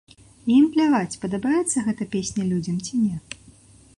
І ім пляваць, падабаецца гэта песня людзям ці не.